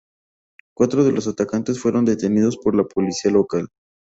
Cuatro de los atacantes fueron detenidos por la Policía Local.